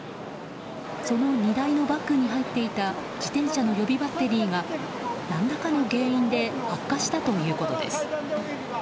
その荷台のバッグに入っていた自転車の予備バッテリーが何らかの原因で発火したということです。